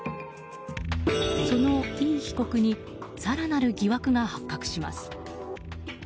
そのイ被告に更なる疑惑が発覚します。